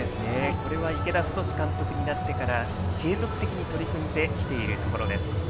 これは池田太監督になってから継続的に取り組んできているところです。